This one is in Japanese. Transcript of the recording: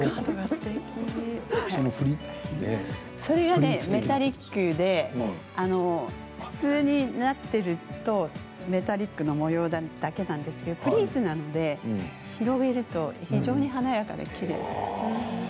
それがメタリックで普通になってるとメタリックの模様だけなんですけどもプリーツなので広げると非常に華やかで、きれい。